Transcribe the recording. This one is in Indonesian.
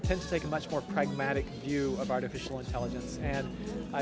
tapi saya lebih suka melihat keadaan kecerdasan artifisial dengan lebih pragmatik